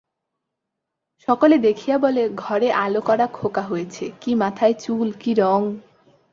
সকলে দেখিয়া বলে, ঘর-আলো-করা খোকা হয়েছে, কি মাথায় চুল, কি রং!